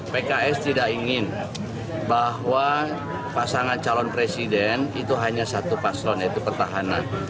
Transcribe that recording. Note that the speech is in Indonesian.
pks tidak ingin bahwa pasangan calon presiden itu hanya satu paslon yaitu pertahanan